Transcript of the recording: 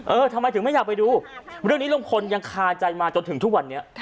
ทำไมถึงไม่อยากไปดูเรื่องนี้ลุงพลยังคาใจมาจนถึงทุกวันนี้